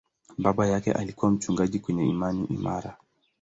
Baba yake alikuwa mchungaji mwenye imani imara.